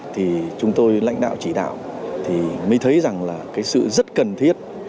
thì chúng tôi lãnh đạo chỉ đạo thì mới thấy rằng là cái sự rất cần thiết